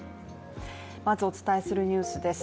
まずお伝えするニュースです。